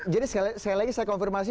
jadi sekali lagi saya konfirmasi